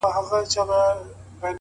د یخې اوبو لومړی څاڅکی بدن بیداروي،